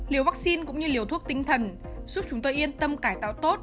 liều vaccine cũng như liều thuốc tinh thần giúp chúng tôi yên tâm cải tạo tốt